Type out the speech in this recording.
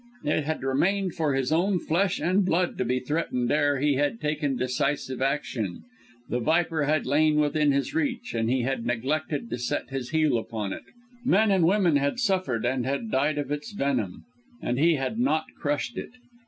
It had remained for his own flesh and blood to be threatened ere he had taken decisive action. The viper had lain within his reach, and he had neglected to set his heel upon it. Men and women had suffered and had died of its venom; and he had not crushed it.